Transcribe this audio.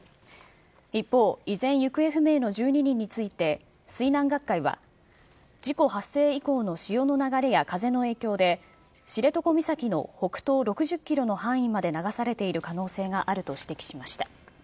一方、依然、行方不明の１２人について、水難学会は、事故発生以降の潮の流れや風の影響で、知床岬の北東６０キロの範囲まで流されている可能性があると指摘しました。